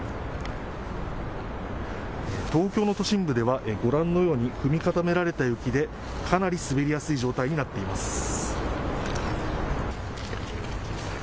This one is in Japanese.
東京の都心部ではご覧のように踏み固められた雪でかなり滑りやすい状態になっています。